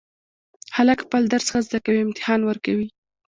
هلک خپل درس ښه زده کوي او امتحان ورکوي